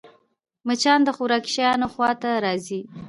مچان د خوراکي شيانو خوا ته راځي